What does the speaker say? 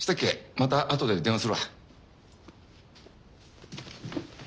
またあとで電話するわ。